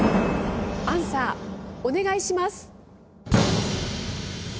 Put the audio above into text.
アンサーお願いします！